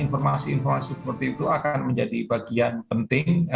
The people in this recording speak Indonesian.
informasi informasi seperti itu akan menjadi bagian penting